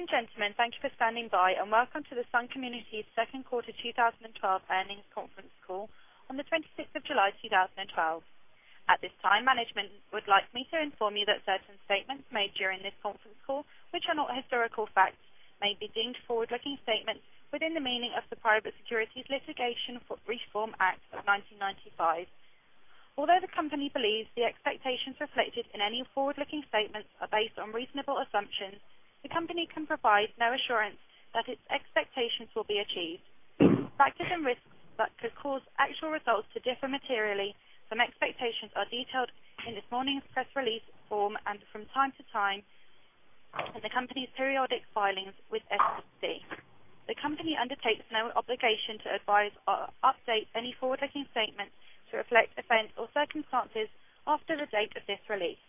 Ladies and gentlemen, thank you for standing by, and welcome to Sun Communities' Second Quarter 2012 Earnings Conference Call on the 26th of July, 2012. At this time, management would like me to inform you that certain statements made during this conference call, which are not historical facts, may be deemed forward-looking statements within the meaning of the Private Securities Litigation Reform Act of 1995. Although the company believes the expectations reflected in any forward-looking statements are based on reasonable assumptions, the company can provide no assurance that its expectations will be achieved. Factors and risks that could cause actual results to differ materially from expectations are detailed in this morning's press release form, and from time to time, in the company's periodic filings with SEC. The company undertakes no obligation to advise or update any forward-looking statements to reflect events or circumstances after the date of this release.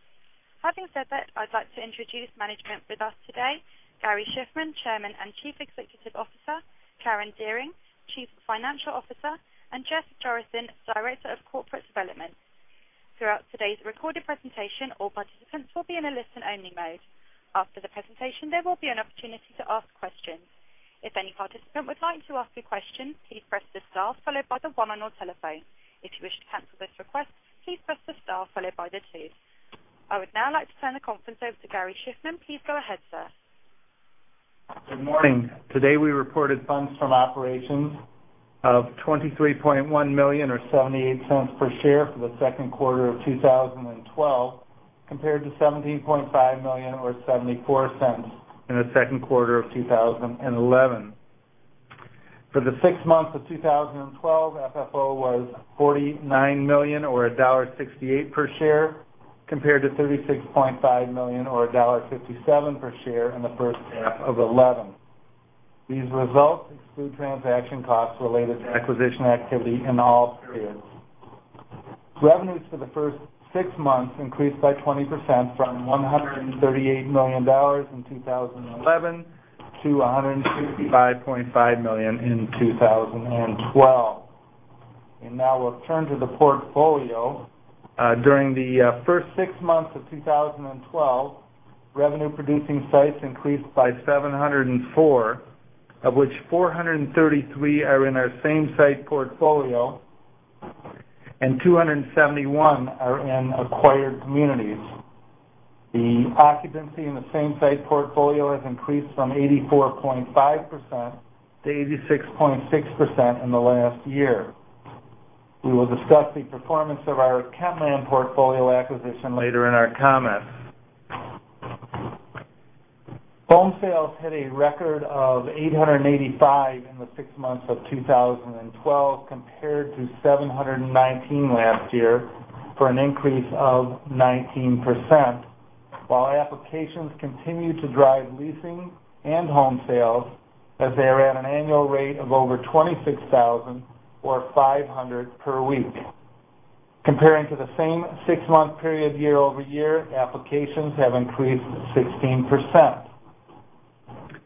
Having said that, I'd like to introduce management with us today, Gary Shiffman, Chairman and Chief Executive Officer, Karen Dearing, Chief Financial Officer, and Jeff Jorissen, Director of Corporate Development. Throughout today's recorded presentation, all participants will be in a listen-only mode. After the presentation, there will be an opportunity to ask questions. If any participant would like to ask a question, please press the star followed by the one on your telephone. If you wish to cancel this request, please press the star followed by the two. I would now like to turn the conference over to Gary Shiffman. Please go ahead, sir. Good morning. Today, we reported funds from operations of $23.1 million or $0.78 per share for the second quarter of 2012, compared to $17.5 million or $0.74 in the second quarter of 2011. For the six months of 2012, FFO was $49 million or $1.68 per share, compared to $36.5 million or $1.57 per share in the first half of 2011. These results exclude transaction costs related to acquisition activity in all periods. Revenues for the first six months increased by 20% from $138 million in 2011 to $165.5 million in 2012. Now we'll turn to the portfolio. During the first six months of 2012, revenue-producing sites increased by 704, of which 433 are in our same-site portfolio and 271 are in acquired communities. The occupancy in the same-site portfolio has increased from 84.5% to 86.6% in the last year. We will discuss the performance of our Kentland portfolio acquisition later in our comments. Home sales hit a record of 885 in the six months of 2012, compared to 719 last year, for an increase of 19%, while applications continue to drive leasing and home sales, as they are at an annual rate of over 26,000 or 500 per week. Comparing to the same six-month period year-over-year, applications have increased 16%.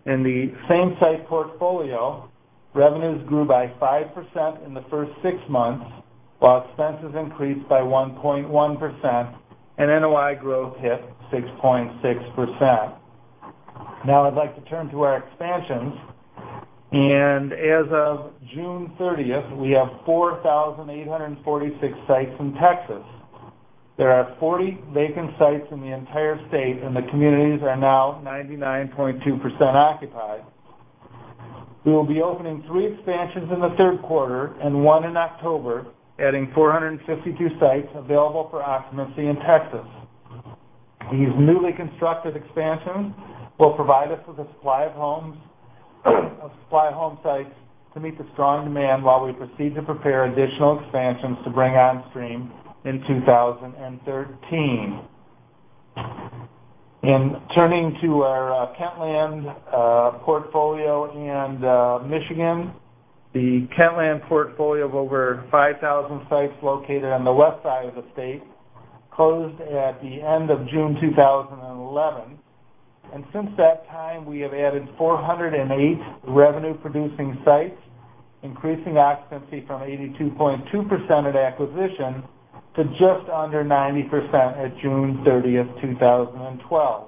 In the same site portfolio, revenues grew by 5% in the first six months, while expenses increased by 1.1% and NOI growth hit 6.6%. Now, I'd like to turn to our expansions, and as of June 30th, we have 4,846 sites in Texas. There are 40 vacant sites in the entire state, and the communities are now 99.2% occupied. We will be opening 3 expansions in the third quarter and 1 in October, adding 452 sites available for occupancy in Texas. These newly constructed expansions will provide us with a supply of homes, a supply of home sites to meet the strong demand while we proceed to prepare additional expansions to bring on stream in 2013. In turning to our Kentland portfolio and Michigan, the Kentland portfolio of over 5,000 sites located on the west side of the state closed at the end of June 2011, and since that time, we have added 408 revenue-producing sites, increasing occupancy from 82.2% at acquisition to just under 90% at June 30th, 2012.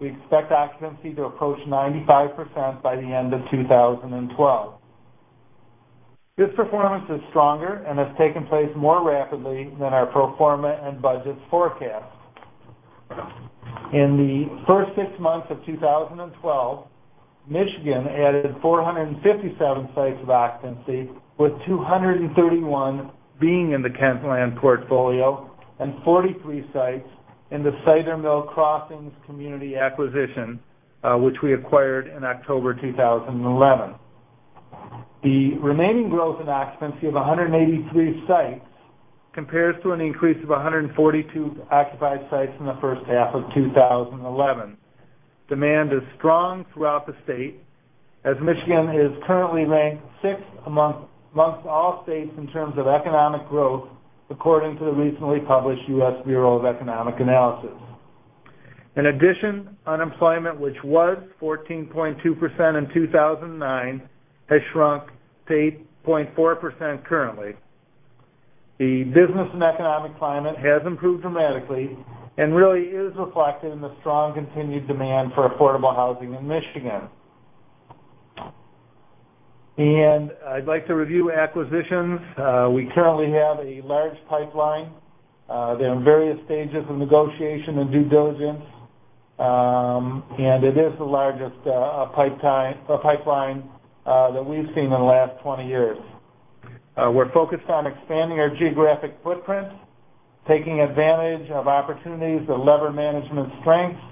We expect occupancy to approach 95% by the end of 2012. This performance is stronger and has taken place more rapidly than our pro forma and budgets forecast. In the first six months of 2012, Michigan added 457 sites of occupancy, with 231 being in the Kentland portfolio and 43 sites in the Cider Mill Crossings community acquisition, which we acquired in October 2011. The remaining growth in occupancy of 183 sites compares to an increase of 142 occupied sites in the first half of 2011. Demand is strong throughout the state, as Michigan is currently ranked sixth amongst all states in terms of economic growth, according to the recently published U.S. Bureau of Economic Analysis. In addition, unemployment, which was 14.2% in 2009, has shrunk to 8.4% currently. The business and economic climate has improved dramatically and really is reflected in the strong continued demand for affordable housing in Michigan. I'd like to review acquisitions. We currently have a large pipeline that are in various stages of negotiation and due diligence. And it is the largest pipeline that we've seen in the last 20 years. We're focused on expanding our geographic footprint, taking advantage of opportunities to lever management strengths,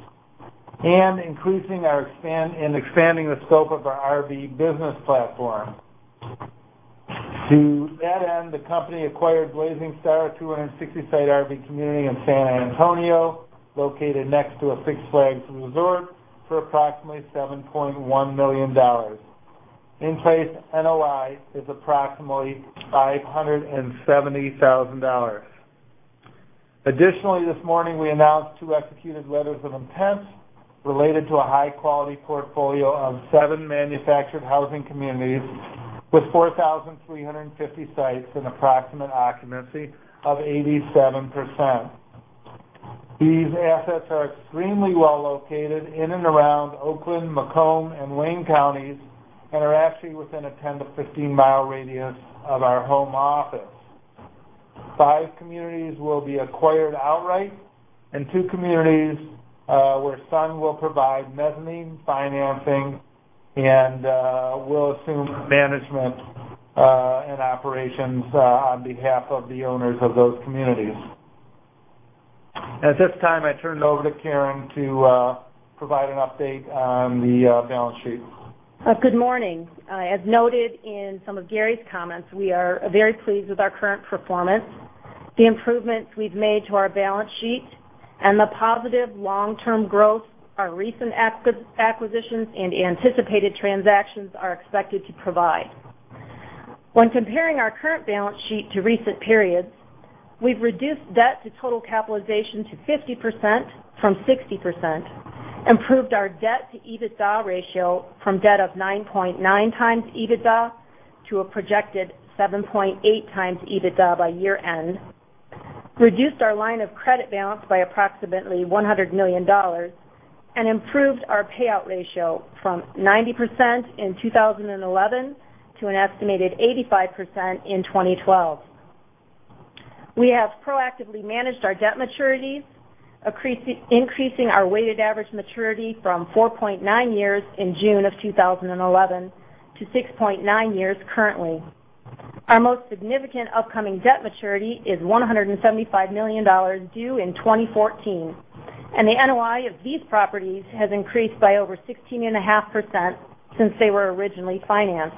and increasing and expanding the scope of our RV business platform. To that end, the company acquired Blazing Star, 260-site RV community in San Antonio, located next to a Six Flags resort, for approximately $7.1 million. In place, NOI is approximately $570,000. Additionally, this morning, we announced two executed letters of intent related to a high-quality portfolio of 7 manufactured housing communities with 4,350 sites and approximate occupancy of 87%. These assets are extremely well located in and around Oakland, Macomb, and Wayne Counties, and are actually within a 10-15 mile radius of our home office. Five communities will be acquired outright and two communities, where Sun will provide mezzanine financing and will assume management and operations on behalf of the owners of those communities. At this time, I turn it over to Karen to provide an update on the balance sheet. Good morning. As noted in some of Gary's comments, we are very pleased with our current performance, the improvements we've made to our balance sheet, and the positive long-term growth our recent acquisitions and anticipated transactions are expected to provide. When comparing our current balance sheet to recent periods, we've reduced debt to total capitalization to 50% from 60%, improved our debt to EBITDA ratio from debt of 9.9 times EBITDA to a projected 7.8 times EBITDA by year-end, reduced our line of credit balance by approximately $100 million, and improved our payout ratio from 90% in 2011 to an estimated 85% in 2012. We have proactively managed our debt maturities, increasing our weighted average maturity from 4.9 years in June 2011 to 6.9 years currently. Our most significant upcoming debt maturity is $175 million, due in 2014, and the NOI of these properties has increased by over 16.5% since they were originally financed.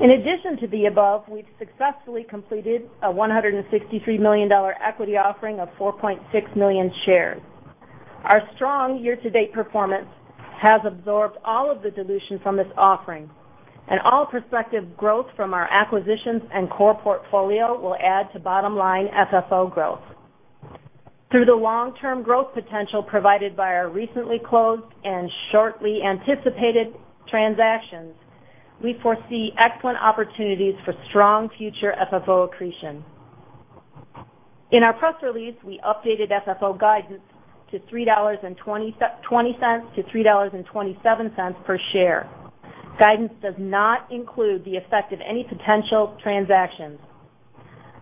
In addition to the above, we've successfully completed a $163 million equity offering of 4.6 million shares. Our strong year-to-date performance has absorbed all of the dilution from this offering, and all prospective growth from our acquisitions and core portfolio will add to bottom line FFO growth. Through the long-term growth potential provided by our recently closed and shortly anticipated transactions, we foresee excellent opportunities for strong future FFO accretion. In our press release, we updated FFO guidance to $3.20-$3.27 per share. Guidance does not include the effect of any potential transactions.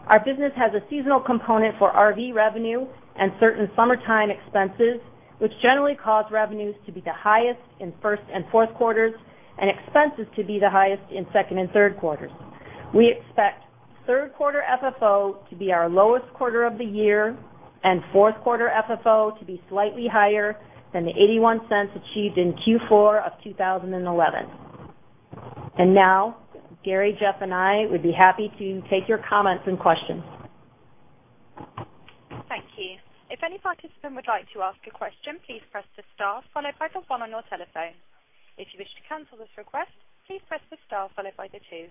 Our business has a seasonal component for RV revenue and certain summertime expenses, which generally cause revenues to be the highest in first and fourth quarters, and expenses to be the highest in second and third quarters. We expect third quarter FFO to be our lowest quarter of the year and fourth quarter FFO to be slightly higher than the $0.81 achieved in Q4 of 2011. And now, Gary, Jeff, and I would be happy to take your comments and questions. Thank you. If any participant would like to ask a question, please press the star followed by the one on your telephone. If you wish to cancel this request, please press the star followed by the two.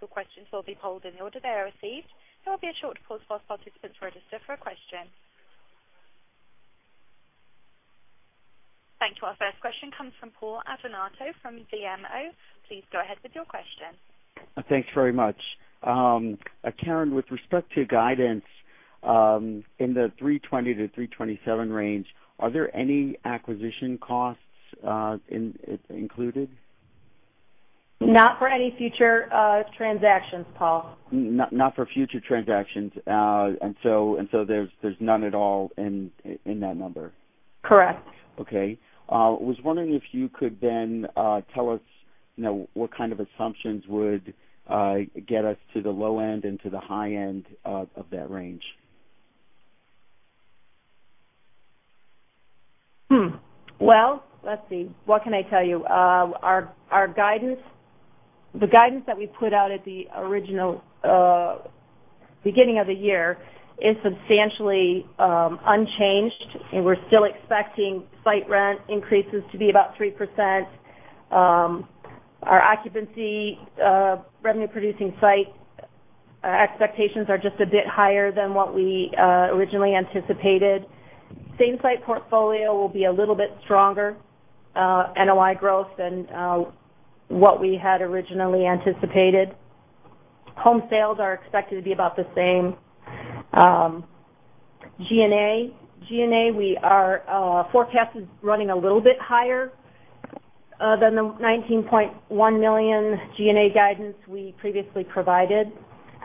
Your questions will be pulled in the order they are received. There will be a short pause while participants register for a question. Thank you. Our first question comes from Paul Adornato from BMO. Please go ahead with your question. Thanks very much. Karen, with respect to guidance, in the $3.20-$3.27 range, are there any acquisition costs included? Not for any future transactions, Paul. Not for future transactions. And so, there's none at all in that number? Correct. Okay. Was wondering if you could then tell us, you know, what kind of assumptions would get us to the low end and to the high end of that range? Well, let's see. What can I tell you? Our guidance—the guidance that we put out at the original beginning of the year is substantially unchanged, and we're still expecting site rent increases to be about 3%. Our occupancy, revenue-producing site expectations are just a bit higher than what we originally anticipated. Same-site portfolio will be a little bit stronger NOI growth than what we had originally anticipated. Home sales are expected to be about the same. G&A, our forecast is running a little bit higher than the $19.1 million G&A guidance we previously provided,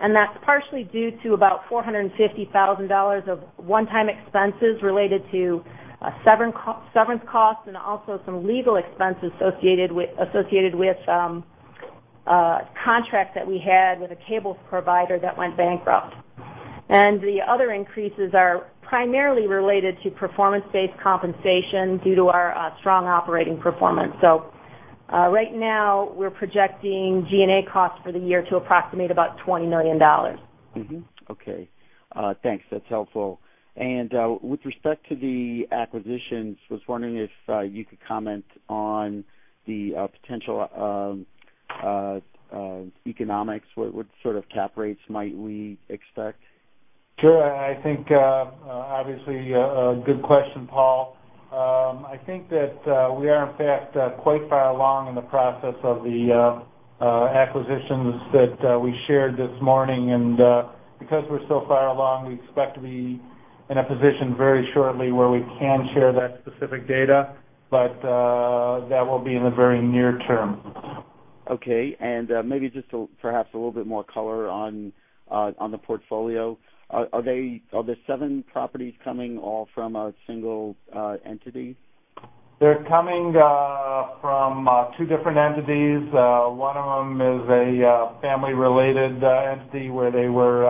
and that's partially due to about $450,000 of one-time expenses related to severance costs and also some legal expenses associated with contracts that we had with a cable provider that went bankrupt. And the other increases are primarily related to performance-based compensation due to our strong operating performance. So, right now, we're projecting G&A costs for the year to approximate about $20 million. Mm-hmm. Okay. Thanks. That's helpful. With respect to the acquisitions, I was wondering if you could comment on the potential economics. What sort of cap rates might we expect? Sure. I think, obviously, a good question, Paul. I think that we are, in fact, quite far along in the process of the acquisitions that we shared this morning, and because we're so far along, we expect to be in a position very shortly where we can share that specific data, but that will be in the very near term. Okay. And, maybe just to perhaps a little bit more color on the portfolio. Are they the seven properties coming all from a single entity? They're coming from two different entities. One of them is a family-related entity, where they were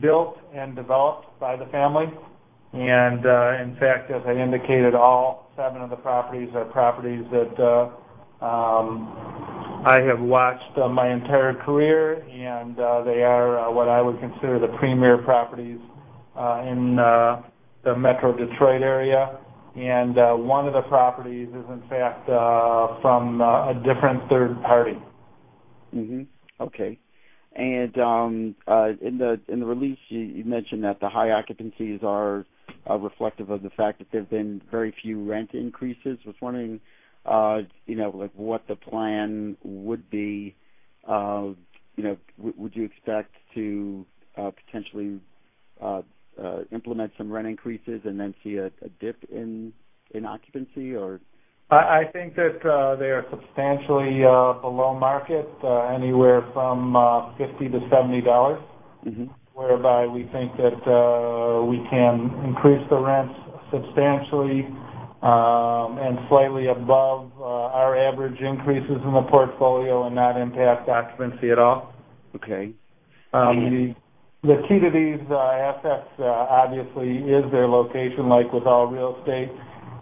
built and developed by the family. In fact, as I indicated, all seven of the properties are properties that I have watched my entire career, and they are what I would consider the premier properties in the Metro Detroit area. One of the properties is, in fact, from a different third party. Mm-hmm. Okay. And, in the release, you mentioned that the high occupancies are reflective of the fact that there have been very few rent increases. I was wondering, you know, like, what the plan would be... You know, would you expect to potentially implement some rent increases and then see a dip in occupancy, or? I think that they are substantially below market, anywhere from $50-$70. Mm-hmm. Whereby we think that we can increase the rents substantially, and slightly above our average increases in the portfolio and not impact occupancy at all. Okay. The key to these assets obviously is their location, like with all real estate.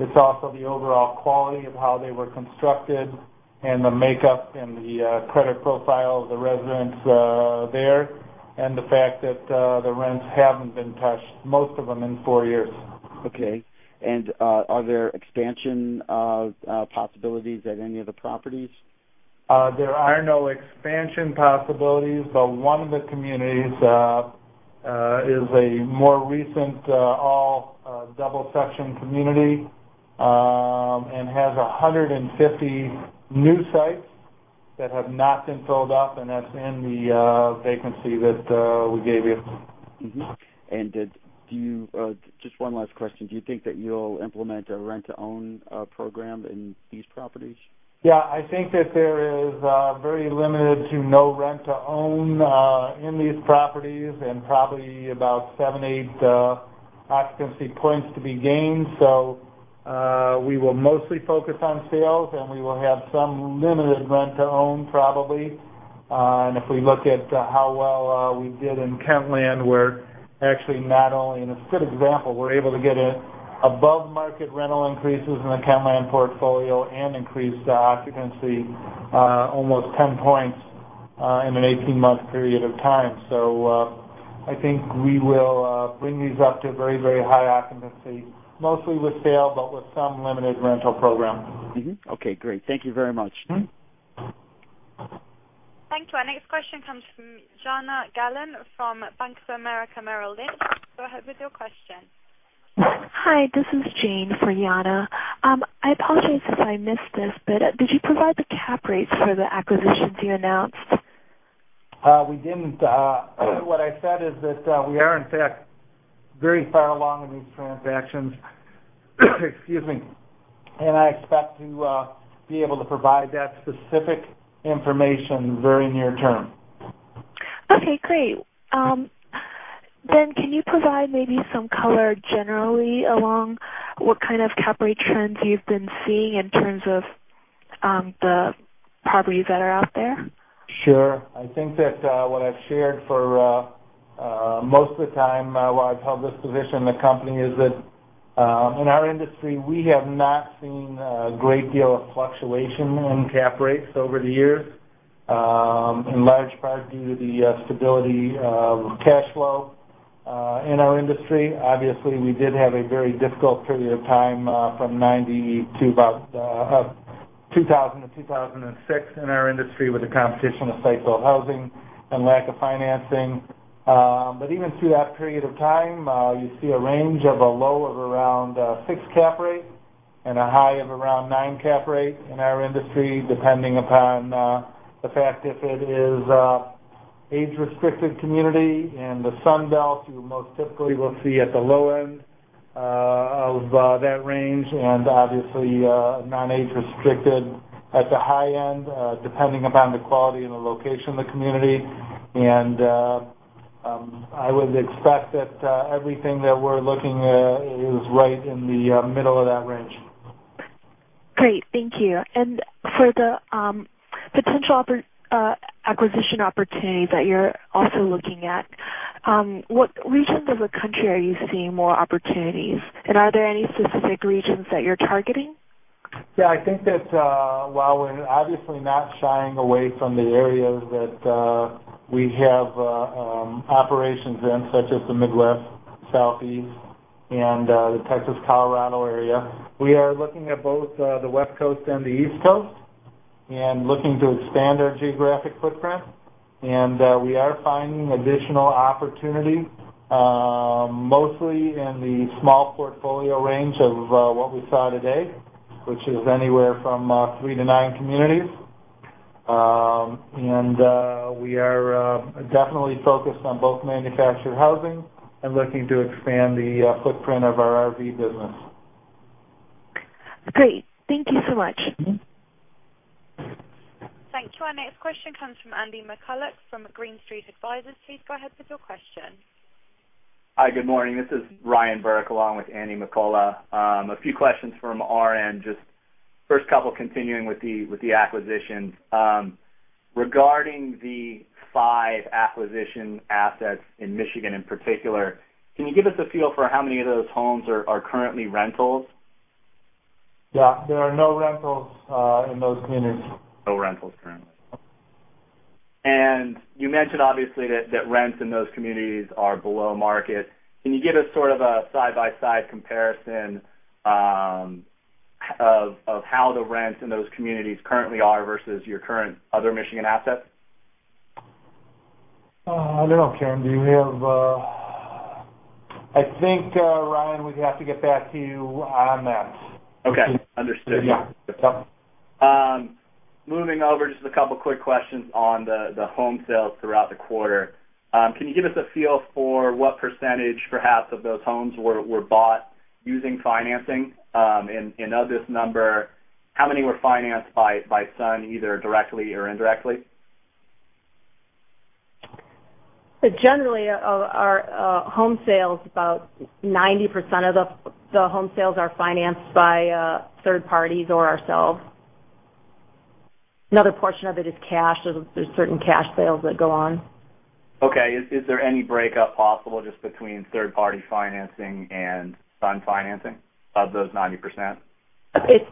It's also the overall quality of how they were constructed and the makeup and the credit profile of the residents there, and the fact that the rents haven't been touched, most of them, in four years. Okay. And, are there expansion possibilities at any of the properties? There are no expansion possibilities, but one of the communities is a more recent double section community and has 150 new sites that have not been filled up, and that's in the vacancy that we gave you. Mm-hmm. And do you... just one last question. Do you think that you'll implement a rent-to-own program in these properties? Yeah, I think that there is very limited to no rent-to-own in these properties, and probably about seven, eight occupancy points to be gained. So, we will mostly focus on sales, and we will have some limited rent to own, probably. And if we look at how well we did in Kentland, we're actually not only in a good example, we're able to get above market rental increases in the Kentland portfolio and increase the occupancy almost 10 points in an 18-month period of time. So, I think we will bring these up to a very, very high occupancy, mostly with sale, but with some limited rental program. Mm-hmm. Okay, great. Thank you very much. Mm-hmm. Thank you. Our next question comes from Jana Galan from Bank of America Merrill Lynch. Go ahead with your question. Hi, this is Jane for Jana. I apologize if I missed this, but, did you provide the cap rates for the acquisitions you announced? We didn't. What I said is that we are, in fact, very far along in these transactions. Excuse me. And I expect to be able to provide that specific information very near term. Okay, great. Then, can you provide maybe some color generally along what kind of cap rate trends you've been seeing in terms of, the properties that are out there? Sure. I think that, what I've shared for, most of the time, while I've held this position in the company, is that, in our industry, we have not seen a great deal of fluctuation in cap rates over the years, in large part due to the, stability of cash flow, in our industry. Obviously, we did have a very difficult period of time, from 1990 to about 2000 to 2006 in our industry, with the competition of cyclical housing and lack of financing. But even through that period of time, you see a range of a low of around 6 cap rate and a high of around 9 cap rate in our industry, depending upon, the fact if it is, age-restricted community. In the Sun Belt, you most typically will see at the low end of that range, and obviously, non-age restricted at the high end, depending upon the quality and the location of the community. I would expect that everything that we're looking is right in the middle of that range. Great, thank you. And for the potential acquisition opportunity that you're also looking at, what regions of the country are you seeing more opportunities? And are there any specific regions that you're targeting? Yeah, I think that, while we're obviously not shying away from the areas that we have operations in, such as the Midwest, Southeast, and the Texas-Colorado area, we are looking at both the West Coast and the East Coast, and looking to expand our geographic footprint. And we are finding additional opportunity, mostly in the small portfolio range of what we saw today, which is anywhere from 3-9 communities. And we are definitely focused on both manufactured housing and looking to expand the footprint of our RV business. Great, thank you so much. Thank you. Our next question comes from Andy McCulloch from Green Street Advisors. Please go ahead with your question. Hi, good morning. This is Ryan Burke, along with Andy McCulloch. A few questions from our end, just first couple continuing with the acquisitions. Regarding the five acquisition assets in Michigan in particular, can you give us a feel for how many of those homes are currently rentals? Yeah. There are no rentals in those communities. No rentals currently. And you mentioned obviously, that rents in those communities are below market. Can you give us sort of a side-by-side comparison of how the rents in those communities currently are versus your current other Michigan assets? I don't know, Karen, do you have... I think, Ryan, we'd have to get back to you on that. Okay, understood. Moving over, just a couple quick questions on the home sales throughout the quarter. Can you give us a feel for what percentage, perhaps, of those homes were bought using financing? And of this number, how many were financed by Sun, either directly or indirectly? Generally, our home sales, about 90% of the home sales are financed by third parties or ourselves. Another portion of it is cash. There's certain cash sales that go on. Okay. Is, is there any breakup possible, just between third-party financing and Sun financing of those 90%? It's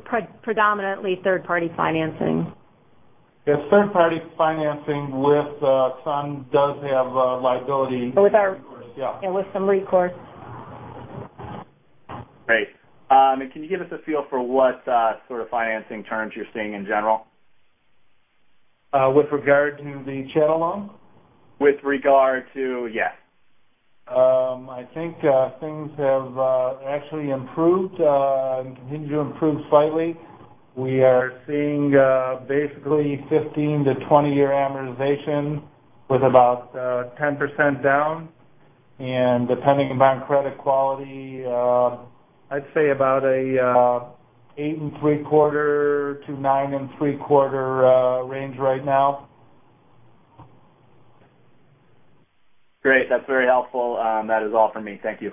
predominantly third-party financing. Yeah, third-party financing with Sun does have liability- With our- Yeah. Yeah, with some recourse. Great. And can you give us a feel for what, sort of financing terms you're seeing in general? With regard to the chattel loan? With regard to... Yeah. I think things have actually improved and continue to improve slightly. We are seeing basically 15 to 20-year amortization with about 10% down, and depending upon credit quality, I'd say about a 8.75%-9.75% range right now. Great. That's very helpful. That is all for me. Thank you.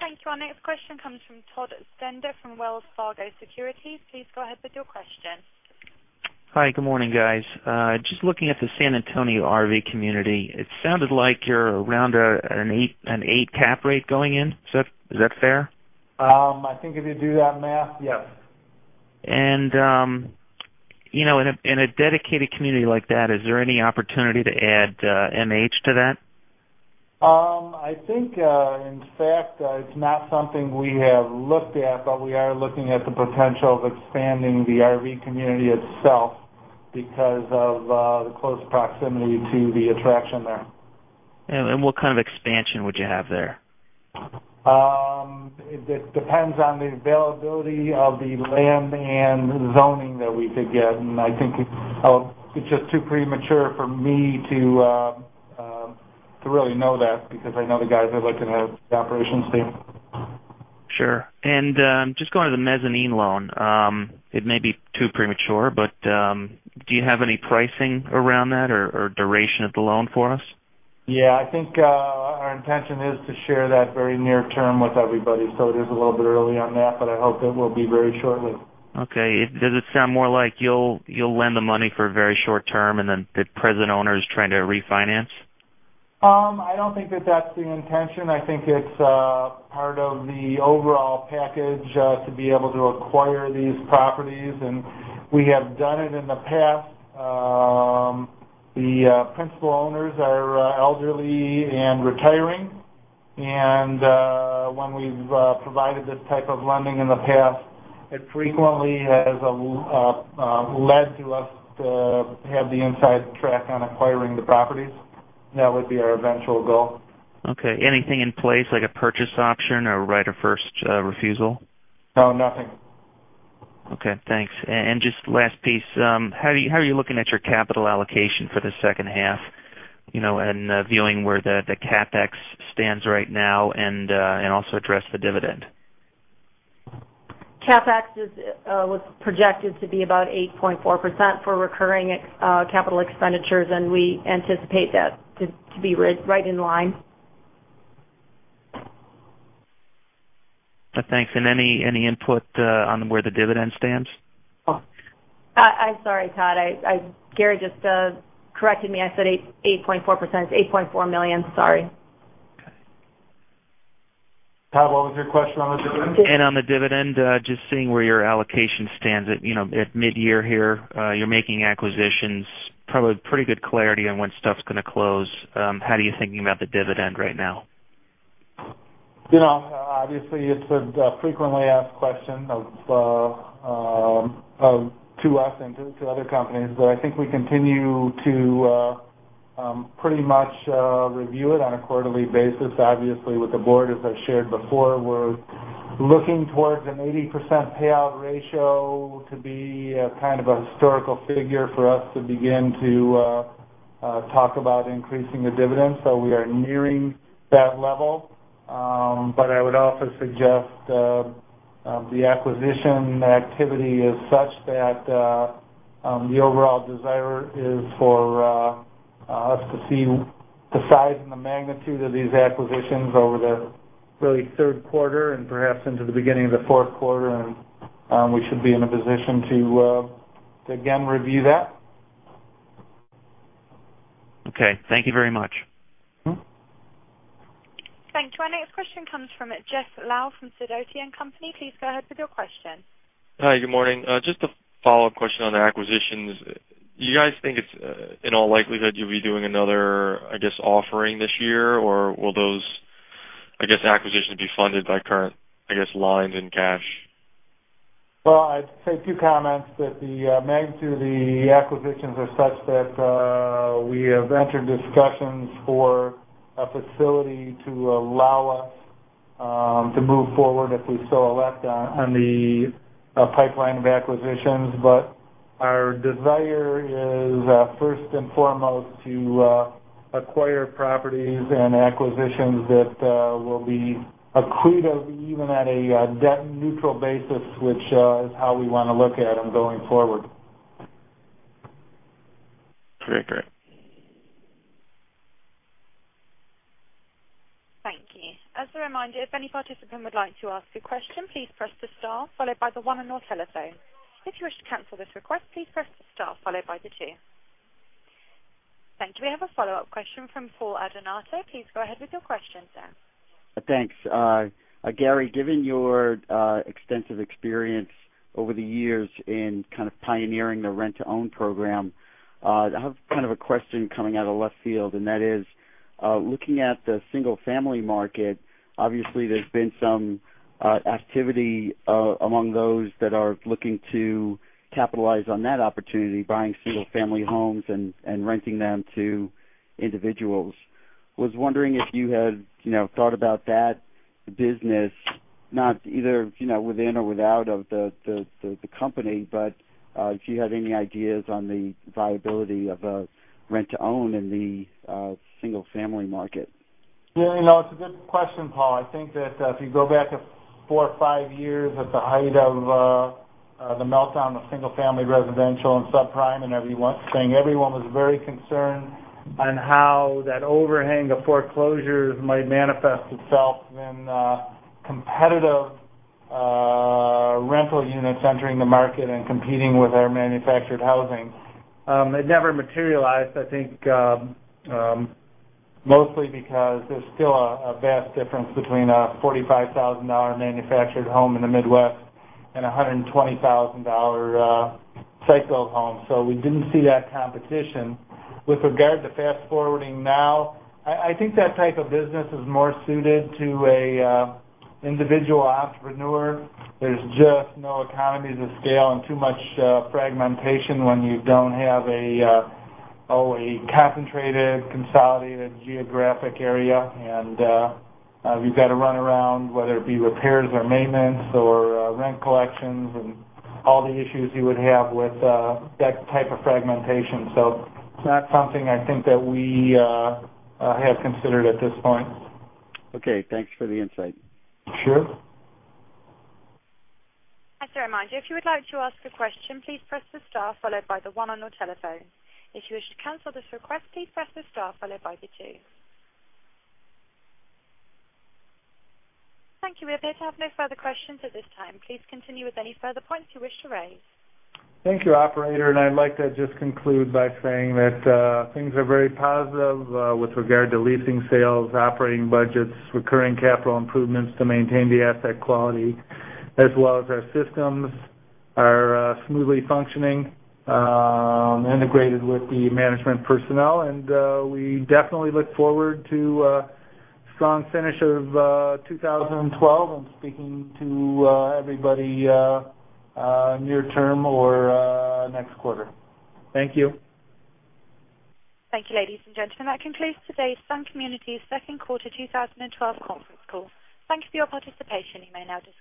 Thank you. Our next question comes from Todd Stender, from Wells Fargo Securities. Please go ahead with your question. Hi, good morning, guys. Just looking at the San Antonio RV community, it sounded like you're around an eight cap rate going in. So is that fair? I think if you do that math, yes. You know, in a dedicated community like that, is there any opportunity to add MH to that? I think, in fact, it's not something we have looked at, but we are looking at the potential of expanding the RV community itself because of the close proximity to the attraction there. What kind of expansion would you have there? It depends on the availability of the land and zoning that we could get, and I think it's just too premature for me to really know that, because I know the guys are looking at the operations team. Sure. Just going to the mezzanine loan, it may be too premature, but do you have any pricing around that or duration of the loan for us? Yeah, I think, our intention is to share that very near term with everybody. So it is a little bit early on that, but I hope it will be very shortly. Okay. Does it sound more like you'll, you'll lend the money for a very short term, and then the present owner is trying to refinance? I don't think that that's the intention. I think it's part of the overall package to be able to acquire these properties, and we have done it in the past. The principal owners are elderly and retiring, and when we've provided this type of lending in the past, it frequently has led to us to have the inside track on acquiring the properties. That would be our eventual goal. Okay. Anything in place, like a purchase option or right of first refusal? No, nothing. Okay, thanks. And just last piece, how are you looking at your capital allocation for the second half? You know, and also address the dividend. CapEx was projected to be about 8.4% for recurring capital expenditures, and we anticipate that to be right in line. Thanks. And any input on where the dividend stands? I'm sorry, Todd. Gary just corrected me. I said 8.4%. It's $8.4 million. Sorry. Todd, what was your question on the dividend? On the dividend, just seeing where your allocation stands at, you know, at midyear here. You're making acquisitions, probably pretty good clarity on when stuff's gonna close. How are you thinking about the dividend right now? You know, obviously, it's a frequently asked question to us and to other companies. But I think we continue to pretty much review it on a quarterly basis. Obviously, with the board, as I shared before, we're looking towards an 80% payout ratio to be a kind of a historical figure for us to begin to talk about increasing the dividend. So we are nearing that level. But I would also suggest the acquisition activity is such that the overall desire is for us to see the size and the magnitude of these acquisitions over the really third quarter and perhaps into the beginning of the fourth quarter. And we should be in a position to again review that. Okay, thank you very much. Mm-hmm. Thanks. So our next question comes from Jeff Lau from Sidoti & Company. Please go ahead with your question. Hi, good morning. Just a follow-up question on the acquisitions. Do you guys think it's, in all likelihood, you'll be doing another, I guess, offering this year? Or will those, I guess, acquisitions be funded by current, I guess, lines in cash? Well, I'd say a few comments, that the magnitude of the acquisitions are such that we have entered discussions for a facility to allow us to move forward, if we so elect on, on the pipeline of acquisitions. But our desire is first and foremost to acquire properties and acquisitions that will be accretive, even at a debt neutral basis, which is how we want to look at them going forward. Great. Great. Thank you. As a reminder, if any participant would like to ask a question, please press the star followed by the one on your telephone. If you wish to cancel this request, please press the star followed by the two. Thank you. We have a follow-up question from Paul Adornato. Please go ahead with your question, sir. Thanks. Gary, given your extensive experience over the years in kind of pioneering the rent-to-own program, I have kind of a question coming out of left field, and that is, looking at the single-family market, obviously, there's been some activity among those that are looking to capitalize on that opportunity, buying single-family homes and renting them to individuals. I was wondering if you had, you know, thought about that business, not either, you know, within or without of the company, but if you had any ideas on the viability of a rent-to-own in the single-family market? Yeah, you know, it's a good question, Paul. I think that, if you go back four or five years, at the height of, the meltdown of single-family residential and subprime and everyone saying everyone was very concerned on how that overhang of foreclosures might manifest itself in, competitive, rental units entering the market and competing with our manufactured housing. It never materialized, I think, mostly because there's still a vast difference between a $45,000 manufactured home in the Midwest and a $120,000 site-built home. So we didn't see that competition. With regard to fast-forwarding now, I think that type of business is more suited to a individual entrepreneur. There's just no economies of scale and too much fragmentation when you don't have a concentrated, consolidated geographic area. We've got to run around, whether it be repairs or maintenance or rent collections and all the issues you would have with that type of fragmentation. So it's not something I think that we have considered at this point. Okay, thanks for the insight. Sure. As a reminder, if you would like to ask a question, please press the star followed by the one on your telephone. If you wish to cancel this request, please press the star followed by the two. Thank you. We appear to have no further questions at this time. Please continue with any further points you wish to raise. Thank you, operator, and I'd like to just conclude by saying that, things are very positive, with regard to leasing sales, operating budgets, recurring capital improvements to maintain the asset quality, as well as our systems are, smoothly functioning, integrated with the management personnel. And, we definitely look forward to a strong finish of, 2012 and speaking to, everybody, near term or, next quarter. Thank you. Thank you, ladies and gentlemen. That concludes today's Sun Communities second quarter 2012 conference call. Thank you for your participation. You may now disconnect.